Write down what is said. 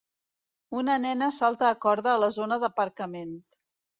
Una nena salta a corda a la zona d'aparcament.